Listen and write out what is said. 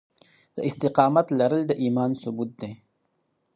د استقامت لرل د ايمان ثبوت دی.